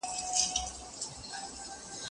که وخت وي، کتابتون ته راځم؟!